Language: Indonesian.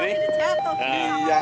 palingan ini jatuh